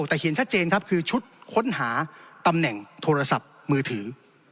แต่เห็นชัดเจนครับคือชุดค้นหาตำแหน่งโทรศัพท์มือถือ